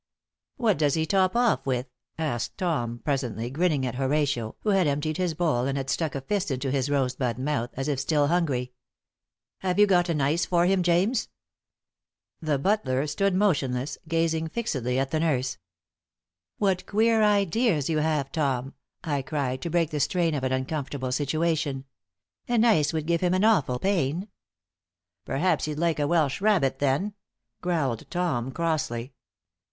"What does he top off with?" asked Tom, presently, grinning at Horatio, who had emptied his bowl and had stuck a fist into his rosebud mouth, as if still hungry. "Have you got an ice for him, James?" The butler stood motionless, gazing fixedly at the nurse. "What queer ideas you have, Tom!" I cried, to break the strain of an uncomfortable situation. "An ice would give him an awful pain." "Perhaps he'd like a Welsh rabbit, then?" growled Tom, crossly.